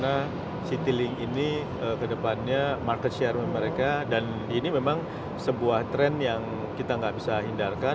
karena citylink ini kedepannya market share nya mereka dan ini memang sebuah trend yang kita nggak bisa hindarkan